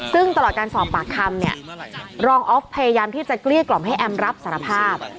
ซึ่งตลอดการสอบปากคำเนี่ยรองออฟพยายามที่จะเกลี้ยกล่อมให้แอมรับสารภาพ